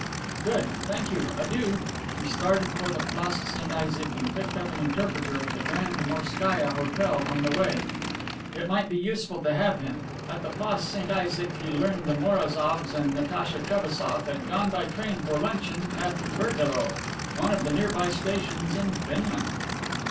"Good. Thank you. Adieu." He started for the Place St. Isaac, and picked up an interpreter at the Grand Morskaia Hotel on the way. It might be useful to have him. At the Place St. Isaac he learned the Morazoffs and Natacha Trebassof had gone by train for luncheon at Bergalowe, one of the nearby stations in Finland.